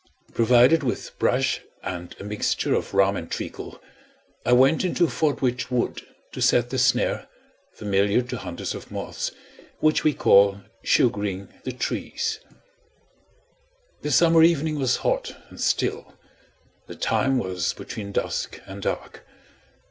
Provided with a brush and a mixture of rum and treacle, I went into Fordwitch Wood to set the snare, familiar to hunters of moths, which we call sugaring the trees. The summer evening was hot and still; the time was between dusk and dark.